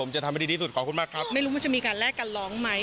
ไม่รู้ว่ามันจะมีการแลกกันร้องไหม